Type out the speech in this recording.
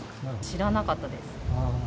知らなかったです。